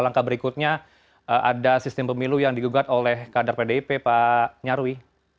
maka berikutnya ada sistem pemilu yang digugat oleh kadar pdp pak nyarwi